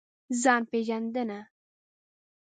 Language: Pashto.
ځان پېژندنه.